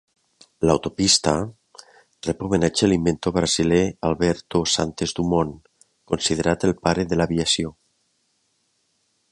L'autopista ret homenatge a l'inventor brasiler Alberto Santos-Dumont, considerat el "pare de l'aviació".